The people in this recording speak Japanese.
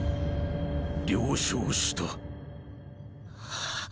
了承した。